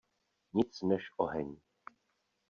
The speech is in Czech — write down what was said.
Nic než oheň.